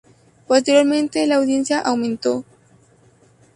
Posteriormente, la audiencia aumentó.